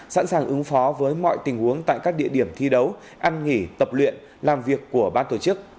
sẵn sàng ứng phó với mọi tình huống tại các địa điểm thi đấu ăn nghỉ tập luyện làm việc của ban tổ chức